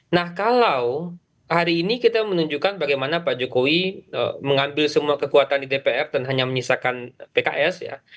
nah kalau hari ini kita menunjukkan bagaimana pak jokowi mengambil semua kekuatan di dpr dan hanya menyisakan pks ya